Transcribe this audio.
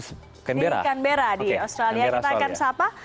di kanbera di australia kita akan siapa